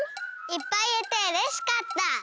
いっぱいいえてうれしかった。